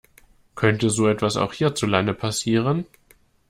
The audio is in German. Könnte sowas auch hierzulande passieren?